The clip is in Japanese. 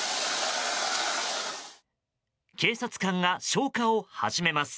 警察官が消火を始めます。